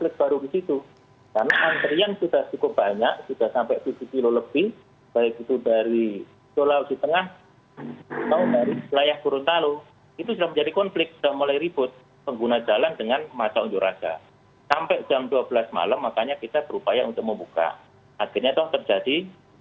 kembali ke tempat ini